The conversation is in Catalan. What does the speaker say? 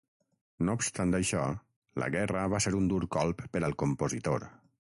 No obstant això, la guerra va ser un dur colp per al compositor.